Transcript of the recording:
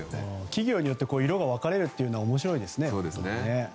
企業によって色が分かれるというのは面白いですね。